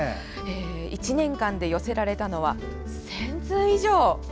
１年間で寄せられたのは１０００通以上。